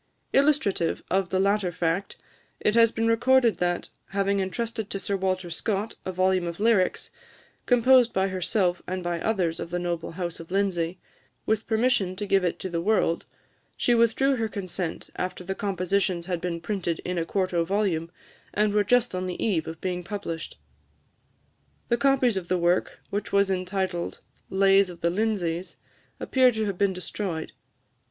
Illustrative of the latter fact, it has been recorded that, having entrusted to Sir Walter Scott a volume of lyrics, composed by herself and by others of the noble house of Lindsay, with permission to give it to the world, she withdrew her consent after the compositions had been printed in a quarto volume, and were just on the eve of being published. The copies of the work, which was entitled "Lays of the Lindsays," appear to have been destroyed.